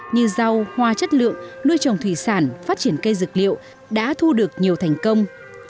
như rau hoa chất lượng nuôi trồng thủy sản phát triển cây dược liệu đã thu được nhiều thành công